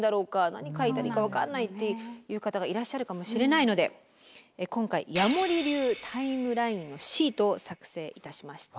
何書いたらいいか分かんないっていう方がいらっしゃるかもしれないので今回矢守流タイムラインのシートを作成いたしました。